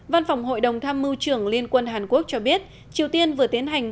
văn phòng hội đồng tham mưu trưởng liên quân hàn quốc cho biết triều tiên vừa tiến hành